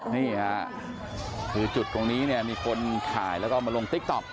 นี่ค่ะคือจุดตรงนี้เนี่ยมีคนถ่ายแล้วก็มาลงติ๊กต๊อก